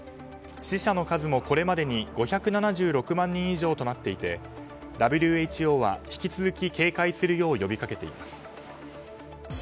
死者の数もこれまでに５７６万人以上となっていてＷＨＯは引き続き警戒するように呼びかけています。